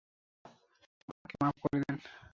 Madam, আমাকে মাফ করে দেন।